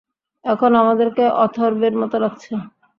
এখন আমাদেরকে অথর্বের মতো লাগছে!